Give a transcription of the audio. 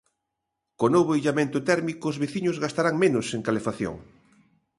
Co novo illamento térmico os veciños gastarán menos en calefacción.